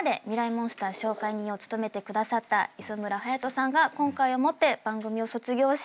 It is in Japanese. モンスター紹介人を務めてくださった磯村勇斗さんが今回をもって番組を卒業します。